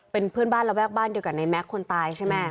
เป็นเพื่อนบ้านระแวกบ้านเดียวกับในแม็กซ์คนตายใช่ไหม